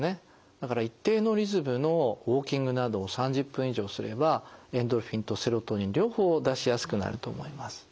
だから一定のリズムのウォーキングなどを３０分以上すればエンドルフィンとセロトニン両方出しやすくなると思います。